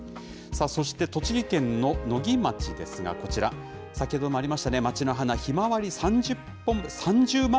さあ、そして栃木県の野木町ですが、こちら、先ほどもありましたね、町の花、ひまわり３０万